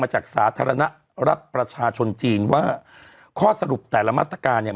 จากสาธารณรัฐประชาชนจีนว่าข้อสรุปแต่ละมาตรการเนี่ย